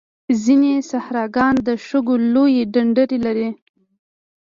ځینې صحراګان د شګو لویې ډنډرې لري.